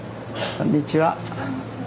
こんにちは。